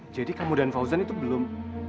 jadi kamu dan kang fauzan itu belum